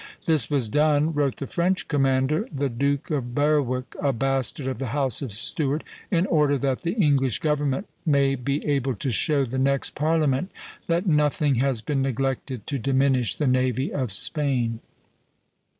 "This was done," wrote the French commander, the Duke of Berwick, a bastard of the house of Stuart, "in order that the English government may be able to show the next Parliament that nothing has been neglected to diminish the navy of Spain."